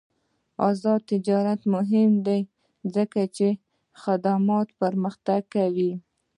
آزاد تجارت مهم دی ځکه چې خدمات پرمختګ کوي.